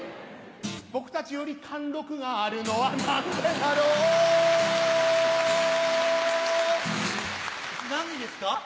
僕たちより貫禄があるのは何でだろう何でですか？